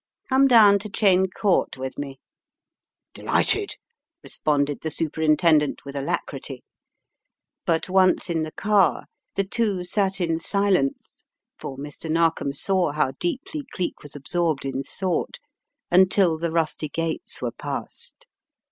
Come down to Cheyne Court with me."/ 264 The Riddle of the Purple Emperor "Delighted," responded the Superintendent witit alacrity, but once in the car, the two sat in silence, for Mr. Narkom saw how deeply Cleek was absorbed in thought, until the rusty gates were passed.